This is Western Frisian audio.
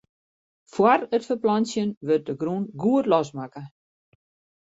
Fóár it ferplantsjen wurdt de grûn goed losmakke.